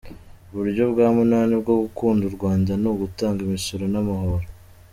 Uburyo bwa munani bwo gukunda u Rwanda, ni ugutanga imisoro n’amahoro.